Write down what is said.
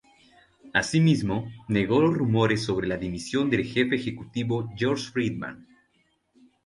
Asimismo, negó los rumores sobre la dimisión del Jefe Ejecutivo George Friedman.